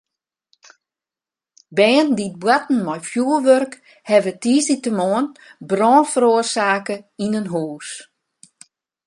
Bern dy't boarten mei fjurwurk hawwe tiisdeitemoarn brân feroarsake yn in hûs.